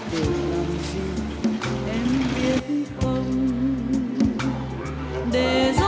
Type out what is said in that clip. để gió cuốn đi